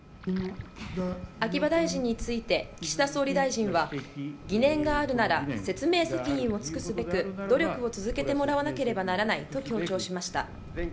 秋葉大臣について岸田総理大臣は、疑念があるなら説明責任を尽くすべく努力を続けてもらわなければならないと強調しました。